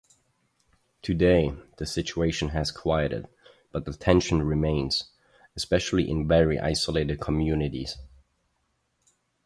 Today, the situation has quieted but the tension remains, especially in very isolated communities.